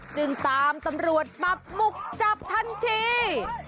จึงตามตำรวจปรับบุกจับทันที